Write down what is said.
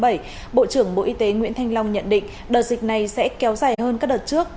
bộ trưởng bộ y tế nguyễn thanh long nhận định đợt dịch này sẽ kéo dài hơn các đợt trước